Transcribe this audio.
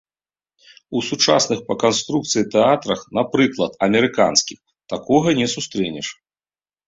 У сучасных па канструкцыі тэатрах, напрыклад, амерыканскіх, такога не сустрэнеш.